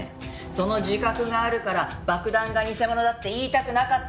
その自覚があるから爆弾が偽物だって言いたくなかったんじゃない？